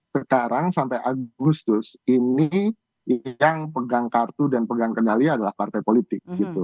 sekarang sampai agustus ini yang pegang kartu dan pegang kendali adalah partai politik